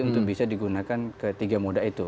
untuk bisa digunakan ketiga moda itu